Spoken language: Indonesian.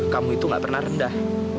kamu itu gak pernah rendah